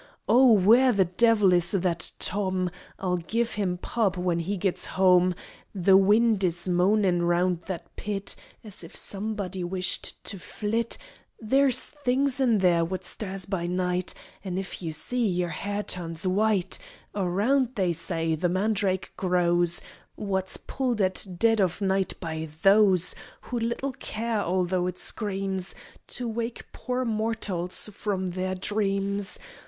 Oh where the Devil is that Tom? I'll give him 'pub' when he gits hoam: The wind is moanin' round that Pit As if somebody wished to flit: There's Things in there what stirs by night An' if you see, yer hair turns white; Around, they say, the Mandrake grows What's pulled at dead of night by those Who little care although it screams To wake poor mortals from their dreams.